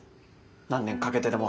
何年かけてでも。